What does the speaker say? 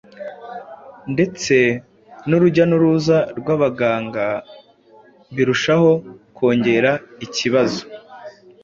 ndetse n’urujya n’uruza rw’abaganga birushaho kongera ikibazo.